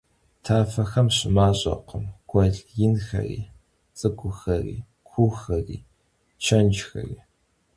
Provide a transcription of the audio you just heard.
Tafexem şımaş'ekhım guel yinxeri, ts'ık'uxeri, kuuxeri, çenjjxeri.